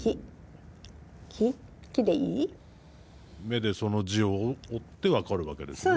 目でその字を追って分かるわけですね。